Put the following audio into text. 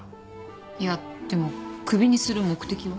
いやでもクビにする目的は？